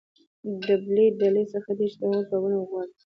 د بلې ډلې څخه دې د هغو ځوابونه وغواړي.